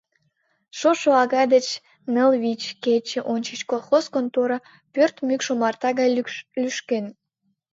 Шошо ага деч ныл-вич кече ончыч колхоз контора пӧрт мӱкш омарта гай лӱшкен.